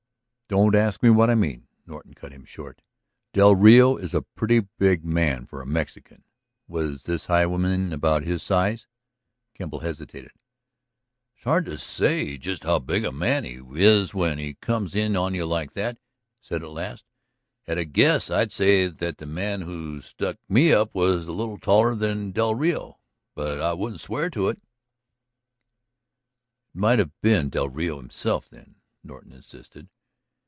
"Don't ask me what I mean," Norton cut him short. "Del Rio is a pretty big man for a Mexican; was this highwayman about his size?" Kemble hesitated. "It's hard to say just how big a man is when he comes in on you like that," he said at last. "At a guess I'd say that the man who stuck me up was a little taller than del Rio. But I wouldn't swear to it." "It might have been del Rio himself, then?" Norton insisted.